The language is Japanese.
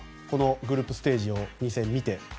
グループステージの２戦を見て。